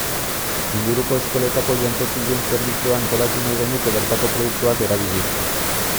Inguruko eskoletako jantokien zerbitzua antolatu nahi genuke bertako produktuak erabiliz.